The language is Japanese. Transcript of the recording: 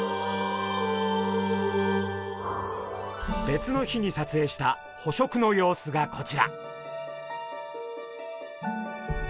別の日にさつえいした捕食の様子がこちら。